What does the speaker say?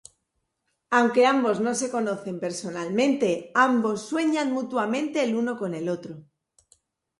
Aunque ambos no se conocen personalmente, ambos sueñan mutuamente el uno con el otro.